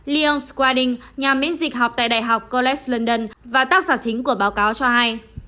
leon skwading nhà miễn dịch học tại đại học college london và tác giả chính của báo cáo cho hay